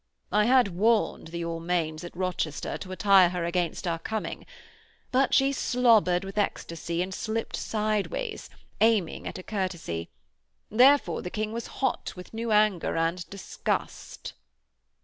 'I had warned the Almains at Rochester to attire her against our coming. But she slobbered with ecstasy and slipped sideways, aiming at a courtesy. Therefore the King was hot with new anger and disgust.'